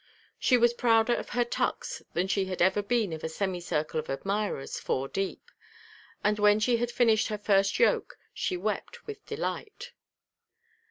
She was prouder of her tucks than she had ever been of a semi circle of admirers, four deep; and when she had finished her first yoke she wept with delight.